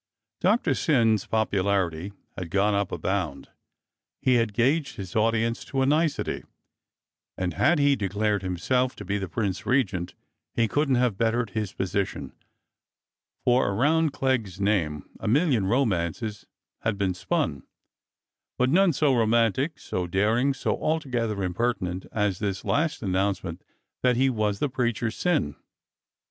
Doctor Syn's popularity had gone up at a bound. He had gauged his audience to a nicety, and had he declared himself to be the Prince Regent he couldn't have bettered his position, for around Clegg's name a million romances had been spun, but none so romantic, so daring, so altogether impertinent as this last announcement that he was the preacher Syn.